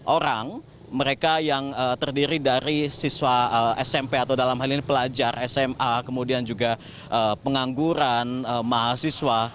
empat orang mereka yang terdiri dari siswa smp atau dalam hal ini pelajar sma kemudian juga pengangguran mahasiswa